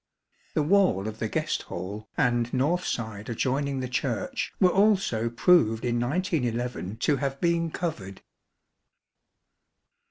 The wall of tlie guest hall and north side adjoining the Church were also proved in 1911 to have been covered.